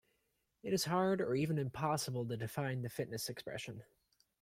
It is hard or even impossible to define the fitness expression.